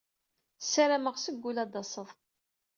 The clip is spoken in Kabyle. Ssarameɣ seg wul ad d-tased.